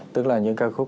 tức là những ca khúc